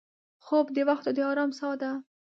خوب د وختو د ارام سا ده